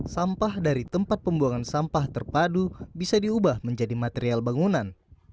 sampah dari tempat pembuangan sampah terpadu bisa diubah menjadi material bangunan